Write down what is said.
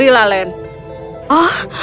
dia dilarang disini